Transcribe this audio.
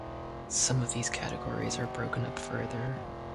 Some of these categories are broken up further.